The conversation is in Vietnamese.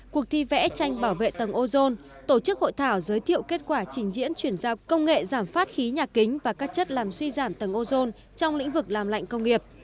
cuộc thi vẽ tranh bảo vệ tầng ozone tổ chức hội thảo giới thiệu kết quả trình diễn chuyển giao công nghệ giảm phát khí nhà kính và các chất làm suy giảm tầng ozone trong lĩnh vực làm lạnh công nghiệp